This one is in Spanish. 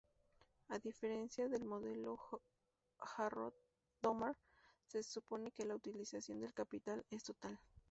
A diferencia del modelo Harrod-Domar, se supone que la utilización del capital es total.